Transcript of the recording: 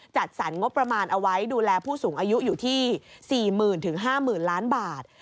จัดสรรงบประมาณเอาไว้ดูแลผู้สูงอายุอยู่ที่๔๐๐๐๕๐๐๐ล้านบาท